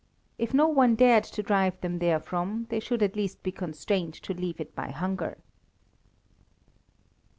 If no one dared to drive them therefrom, they should at least be constrained to leave it by hunger.